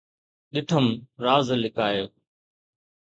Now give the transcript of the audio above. ڏٺم راز لڪائي